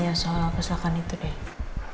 dia mau nanya soal kecelakaan itu deh